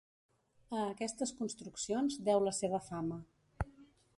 A aquestes construccions deu la seva fama.